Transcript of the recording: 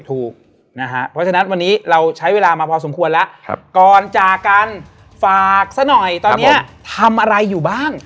เพราะฉะนั้นวันนี้เราใช้เวลามาพอสมควรแล้วก่อนจากกันฝากซะหน่อยตอนนี้ทำอะไรอยู่บ้าง